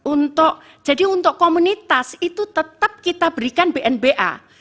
untuk jadi untuk komunitas itu tetap kita berikan bnba